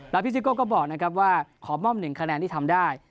พี่ซิโก้ก็บอกนะครับว่าขอมอบ๑คะแนนที่ทำได้